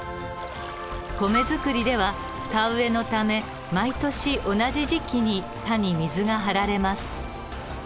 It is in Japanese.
米作りでは田植えのため毎年同じ時期に田に水が張られます。